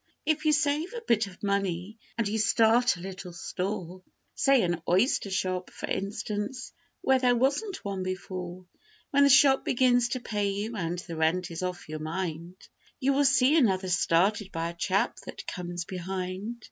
If you save a bit of money, and you start a little store Say, an oyster shop, for instance, where there wasn't one before When the shop begins to pay you, and the rent is off your mind, You will see another started by a chap that comes behind.